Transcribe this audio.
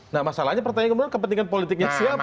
nah masalahnya pertanyaannya kepentingan politiknya siapa ya